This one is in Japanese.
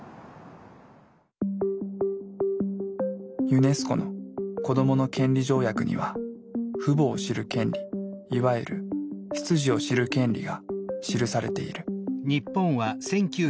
ユネスコの子どもの権利条約には「父母を知る権利」いわゆる「出自を知る権利」が記されている。